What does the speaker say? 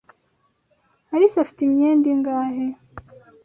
Alice afite imyenda ingahe?